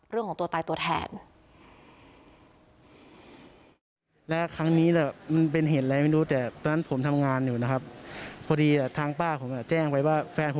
เรื่องของตัวตายตัวแทน